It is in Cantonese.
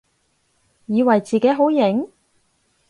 以為自己好型？